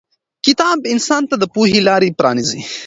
کتاب انسان ته د پوهې لارې پرانیزي.